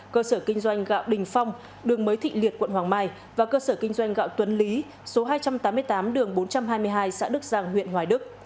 cơ sở kinh doanh gạo đình phong đường mới thị liệt quận hoàng mai và cơ sở kinh doanh gạo tuấn lý số hai trăm tám mươi tám đường bốn trăm hai mươi hai xã đức giang huyện hoài đức